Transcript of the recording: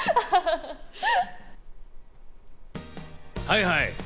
はいはい。